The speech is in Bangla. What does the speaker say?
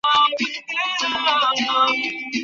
তিনি চলে যান রাজপুতানার ঐতিহাসিক রাজ্য আলোয়ারে।